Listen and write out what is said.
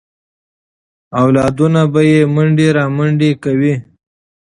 اولادونه به یې منډې رامنډې کوي.